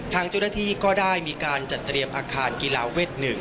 ทางเจ้าหน้าที่ก็ได้มีการจัดเตรียมอาคารกีฬาเวท๑